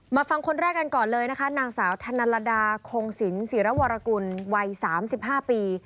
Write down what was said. ฟังคนแรกกันก่อนเลยนะคะนางสาวธนลดาคงศิลปศิรวรกุลวัย๓๕ปี